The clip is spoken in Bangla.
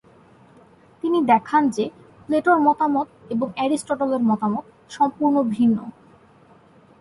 তিনি দেখান যে প্লেটোর মতামত এবং অ্যারিস্টটলের মত সম্পূর্ণ ভিন্ন।